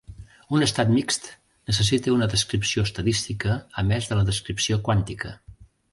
Un estat mixt necessita una descripció estadística a més de la descripció quàntica.